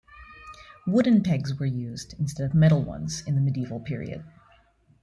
Wooden pegs were used instead of metal ones in the medieval period.